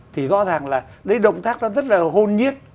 thì rõ ràng là đấy động tác nó rất là hôn nhiết